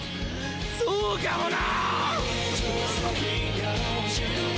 そうかもな‼